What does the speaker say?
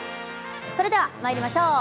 それでは参りましょう。